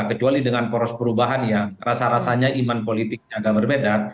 kecuali dengan poros perubahan yang rasa rasanya iman politiknya agak berbeda